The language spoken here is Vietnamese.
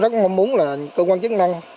rất mong muốn là cơ quan chức năng